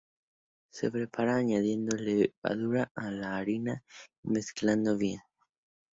Se prepara añadiendo levadura a la harina y mezclando bien.